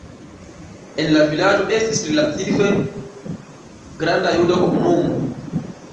En la vilaĝo estis relative granda juda komunumo.